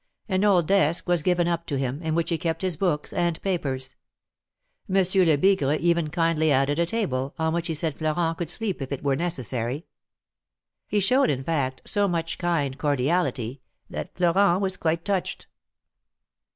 An old desk was given up to him, in which he kept his books and papers. Monsieur Lebigre even kindly added a table, on which he said Florent could sleep if it were necessary. He showed, in fact, so much kind cordiality, that Florent was quite touched.